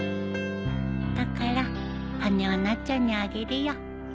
だから羽根はなっちゃんにあげるよ